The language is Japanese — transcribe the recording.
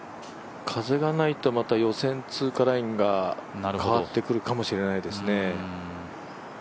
風がないとまた予選通過ラインが変わってくるかもしれないですね。